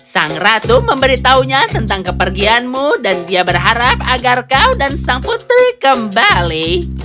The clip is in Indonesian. sang ratu memberitahunya tentang kepergianmu dan dia berharap agar kau dan sang putri kembali